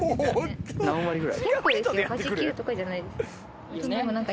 ８９とかじゃないですか。